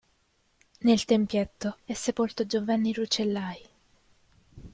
Nel tempietto è sepolto Giovanni Rucellai.